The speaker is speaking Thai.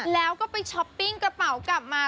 แล้วก็ไปช้อปปิ้งกระเป๋ากลับมา